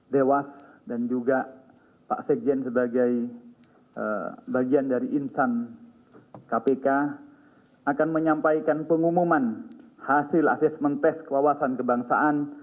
dewas dan juga pak sekjen sebagai bagian dari insan kpk akan menyampaikan pengumuman hasil asesmen tes kewawasan kebangsaan